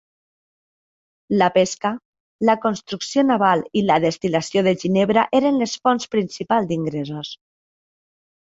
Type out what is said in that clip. La pesca, la construcció naval i la destil·lació de ginebra eren les fonts principals d'ingressos.